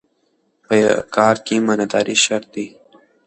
په کار کې امانتداري شرط ده.